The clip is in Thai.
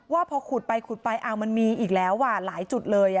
ว่าพอขุดไปขุดไปมันมีอีกแล้วหลายจุดเลย